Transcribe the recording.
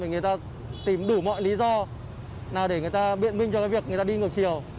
người ta tìm đủ mọi lý do là để người ta biện minh cho cái việc người ta đi ngược chiều